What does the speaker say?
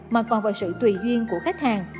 mà còn vào sự tùy duyên của khách hàng